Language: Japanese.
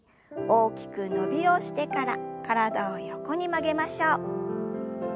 大きく伸びをしてから体を横に曲げましょう。